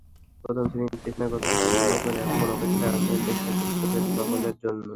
প্রথম শ্রেণিতে স্নাতক সম্পন্ন করে এখন অপেক্ষায় আছেন স্নাতকোত্তরের ফলাফলের জন্য।